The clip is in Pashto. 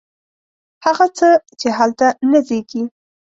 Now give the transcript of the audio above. هغه څه، چې هلته نه زیږي